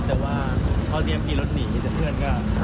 แต่ว่าเขาเตรียมขี่รถหนีแต่เพื่อนก็